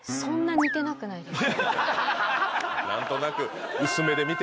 何となく。